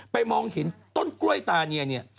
มองเห็นต้นกล้วยตาเนียเนี่ย